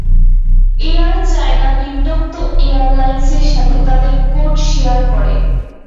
Air China নিম্নোক্ত এয়ারলাইন্সের সাথে তাদের কোড শেয়ার করে।